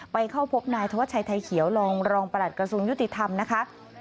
ไปเข้าพบนายธวัชชัยไทยเขียวรองรองประหลัดกระทรวงยุติธรรมนะคะ